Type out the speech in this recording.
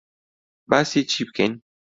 باسی چی بکەین؟